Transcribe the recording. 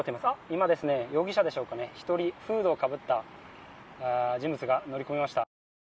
今、容疑者でしょうか１人、フードをかぶった人物が乗り込みました。